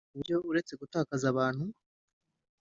ku buryo uretse gutakaza abantu